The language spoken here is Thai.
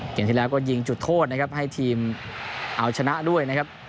อย่างที่แล้วก็ยิงจุดโทษให้ทีมเอาชนะด้วย